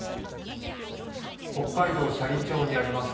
北海道斜里町にあります